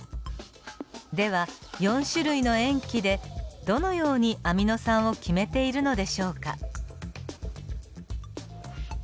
では４種類の塩基でどのようにアミノ酸を決めているのでしょうか。